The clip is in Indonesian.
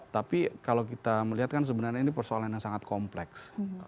tapi kalau kita melihat kan sebenarnya ini persoalan yang sangat kompleks